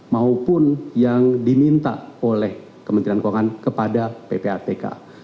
maupun yang diminta oleh kementerian keuangan kepada ppatk